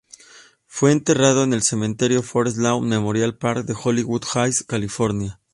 Fue enterrado en el Cementerio Forest Lawn Memorial Park de Hollywood Hills, California.